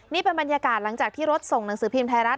นี่เป็นบรรยากาศหลังจากที่รถส่งหนังสือพิมพ์ไทยรัฐ